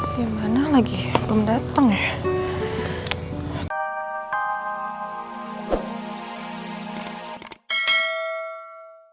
gimana lagi belum datang ya